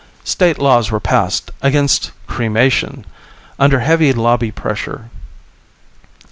State laws were passed against cremation, under heavy lobby pressure.